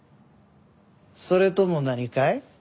それとも何かい？